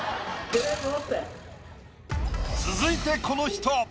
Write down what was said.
続いてこの人。